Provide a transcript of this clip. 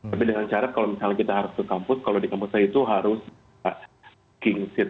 tapi dengan cara kalau misalnya kita harus ke kampus kalau di kampus saya itu harus king seat